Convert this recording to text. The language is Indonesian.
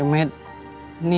aku sendirian deh